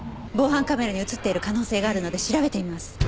防犯カメラに映っている可能性があるので調べてみます。